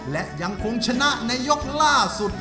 และยังคงชนะในยกล่าสุด